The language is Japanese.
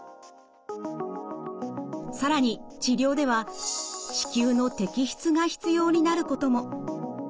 更に治療では子宮の摘出が必要になることも。